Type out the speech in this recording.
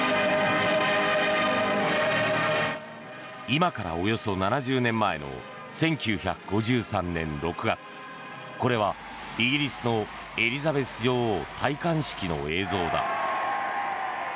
今からおよそ７０年前の１９５３年６月これはイギリスのエリザベス女王戴冠式の映像だ。